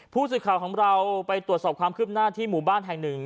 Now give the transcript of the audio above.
ผู้สื่อข่าวของเราไปตรวจสอบความคืบหน้าที่หมู่บ้านแห่งหนึ่ง